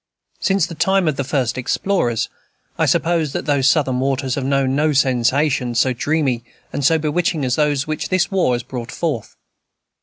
Since the time of the first explorers, I suppose that those Southern waters have known no sensations so dreamy and so bewitching as those which this war has brought forth.